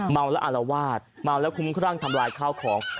เมาและอารวาสเมาแล้วคุ้มครั่งทำลายข้าวของ